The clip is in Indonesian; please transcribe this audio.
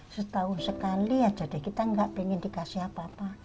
setahun sekali ya jadi kita nggak pengen dikasih apa apa